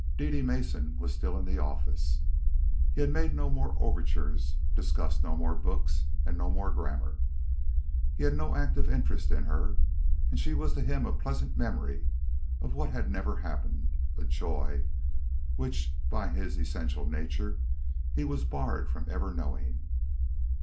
Dede Mason was still in the office. He had made no more overtures, discussed no more books and no more grammar. He had no active interest in her, and she was to him a pleasant memory of what had never happened, a joy, which, by his essential nature, he was barred from ever knowing.